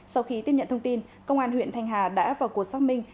sau khi tiếp nhận thông tin công an huyện thanh hà đã vào cuộc xác minh